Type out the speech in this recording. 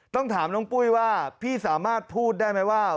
ต้องถามน้องปุ้ยว่าพี่สามารถพูดได้ไหมว่า